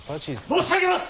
申し上げます！